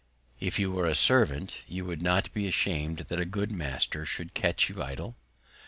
If you were a Servant, would you not be ashamed that a good Master should catch you idle?